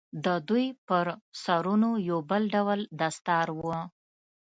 د دوى پر سرونو يو بل ډول دستار و.